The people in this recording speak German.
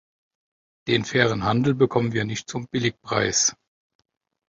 Den fairen Handel bekommen wir nicht zum Billigpreis.